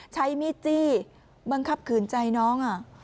ใช้มิจิบังคับเกินใจน้อง